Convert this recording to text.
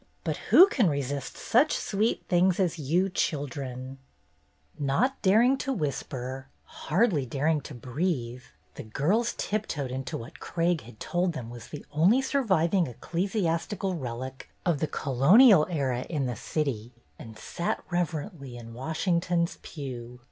But who could resist such sweet things as you children 1 " Not daring to whisper, hardly daring to breathe, the girls tiptoed into what Craig had told them was "the only surviving ecclesias tical relic of the colonial era in the city," and HISTORY CLUB VISITS NEW YORK 251 sat reverently in Washington's pew.